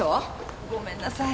ごめんなさい。